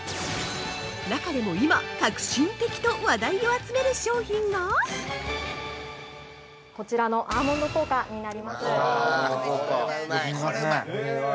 中でも今、革新的と話題を集める商品が◆こちらのアーモンド効果になります。